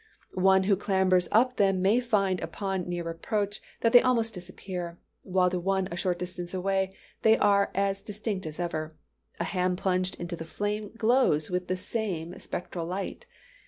One who clambers up to them may find upon near approach that they almost disappear; while to one a short distance away they are as distinct as ever. A hand plunged into the flame glows with the same spectral light.